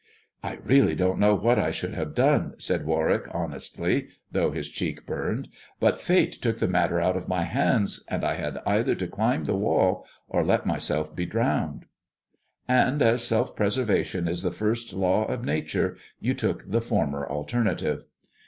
"I really don't know what I should have done," said 'iV^arwick honestly, though his cheek burned ;" but Fate ^k the matter out of my hands, and I had either to climb he wall or let myself be drowned." I? 66 THE dwarf's chamber " And as self preservation is the first law of nature you took the former alternative.